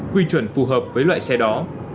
quy chuẩn phù hợp với loại xe đó